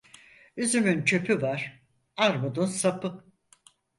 Üzümün çöpü var, armudun sapı.